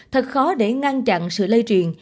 thật khó để ngăn chặn sự lây truyền